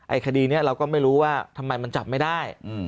คดีนี้เราก็ไม่รู้ว่าทำไมมันจับไม่ได้